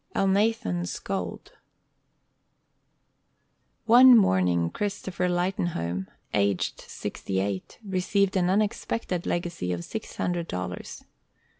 _ ELNATHAN'S GOLD One morning Christopher Lightenhome, aged sixty eight, received an unexpected legacy of six hundred dollars.